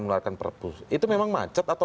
mengularkan perpuluhan itu memang macet atau